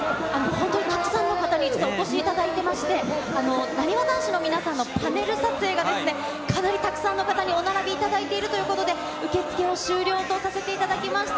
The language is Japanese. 本当にたくさんの方にお越しいただいておりまして、なにわ男子の皆さんのパネル撮影が、かなりたくさんの方にお並びいただいているということで、受け付けを終了とさせていただきました。